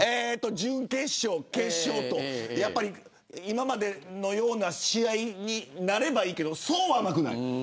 準決勝、決勝と今までのような試合になればいいけどそう甘くはない。